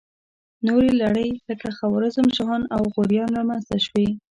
نورې لړۍ لکه خوارزم شاهان او غوریان را منځته شوې.